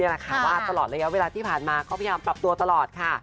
ว่าตลอดระยะเวลาที่ผ่านมาเขาพยายามปรับตัวตลอดค่ะ